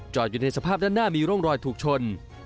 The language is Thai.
อยู่ในสภาพด้านหน้ามีร่องรอยถูกชน